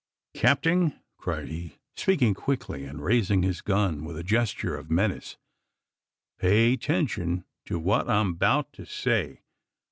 "Capting!" cried he, speaking quickly, and raising his gun with a gesture of menace, "pay 'tention to whet I'm 'beout to say.